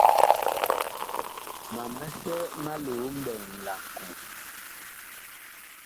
Mam misɛ ma loo mɓɛɛŋ laŋkoo.